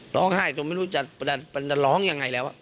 ร้องไห้จนไม่รู้จะร้องยังไงแล้ว